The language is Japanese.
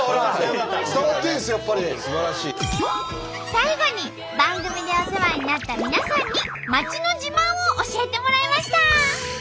最後に番組でお世話になった皆さんに町の自慢を教えてもらいました。